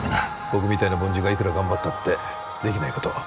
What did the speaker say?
僕みたいな凡人がいくら頑張ったってできないことを